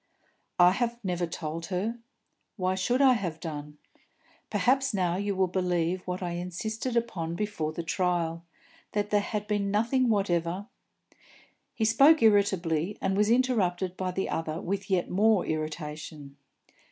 "I have never told her. Why should I have done? Perhaps now you will believe what I insisted upon before the trial, that there had been nothing whatever " He spoke irritably, and was interrupted by the other with yet more irritation.